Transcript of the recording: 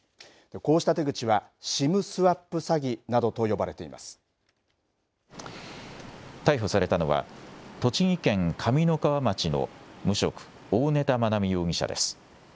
こうした手口はＳＩＭスワップ詐欺などと逮捕されたのは栃木県上三川町の無職、大根田愛美容疑者です。